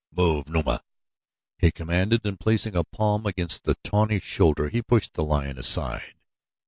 "Move, Numa!" he commanded and placing a palm against the tawny shoulder he pushed the lion aside.